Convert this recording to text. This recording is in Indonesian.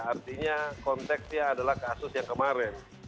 artinya konteksnya adalah kasus yang kemarin